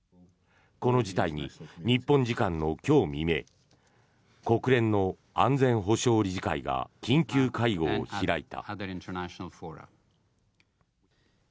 この事態に日本時間の今日未明国連の安全保障理事会が緊急会合を開いた。